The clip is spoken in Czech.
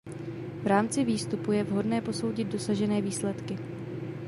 V rámci výstupu je vhodné posoudit dosažené výsledky.